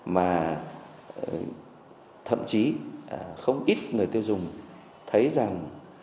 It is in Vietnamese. mà thậm chí không ít người tiêu dùng thấy rằng